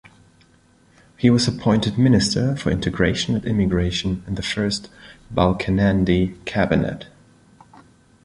He was appointed Minister for Integration and Immigration in the first Balkenende cabinet.